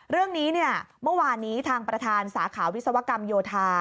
เรื่องนี้เนี่ยเมื่อวานนี้ทางประธานสาขาวิศวกรรมโยธา